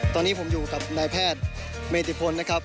ตอนนี้ผมอยู่กับนายแพทย์เมติพลนะครับ